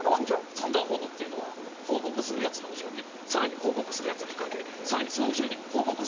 三段報告というのは報告するやつの後ろに更に報告するやつを控えて更にその後ろに報告するやつを控えさす。